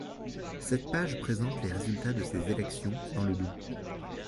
Cette page présente les résultats de ces élections dans le Doubs.